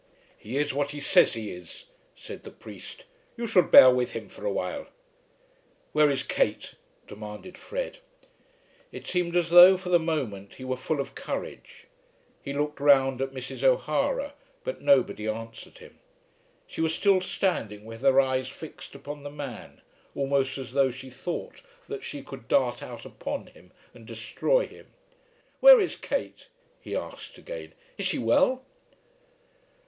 "He is what he says he is," said the priest. "You should bear with him for a while." "Where is Kate?" demanded Fred. It seemed as though, for the moment, he were full of courage. He looked round at Mrs. O'Hara, but nobody answered him. She was still standing with her eyes fixed upon the man, almost as though she thought that she could dart out upon him and destroy him. "Where is Kate?" he asked again. "Is she well?"